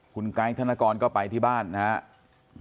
คุณไกด์ธนกรก็ไปที่บ้านนะครับ